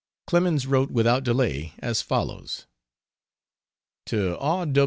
Clemens wrote without delay, as follows: To R.